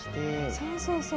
そうそうそう。